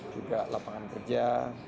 juga lapangan kerja